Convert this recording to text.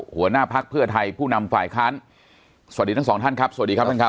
หัวหน้าพักเพื่อไทยผู้นำฝ่ายค้านสวัสดีทั้งสองท่านครับสวัสดีครับท่านครับ